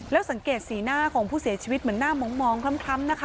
แล้วสังเกตสีหน้าของผู้เสียชีวิตเหมือนหน้ามองคล้ำนะคะ